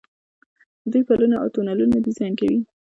دوی پلونه او تونلونه ډیزاین کوي.